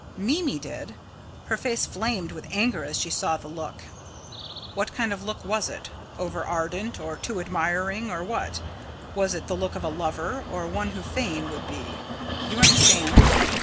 "Mimi did. Her face flamed with anger as she saw the look." "What kind of look was it? Over ardent or too admiring, or what? Was it the look of a lover, or one who fain would be? You understand?"